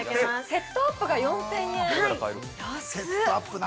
◆セットアップが４０００円？